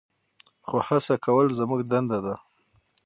خو هڅه کول زموږ دنده ده.